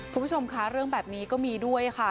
คุณผู้ชมค่ะเรื่องแบบนี้ก็มีด้วยค่ะ